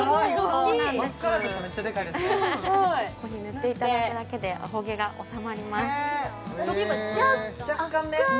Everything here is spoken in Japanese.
こういうふうに塗っていただくだけでアホ毛が収まります